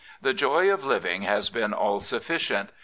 The joy of living has been all sufficient.